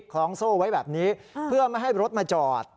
คล้องโซ่ไว้แบบนี้เพื่อไม่ให้รถมาจอด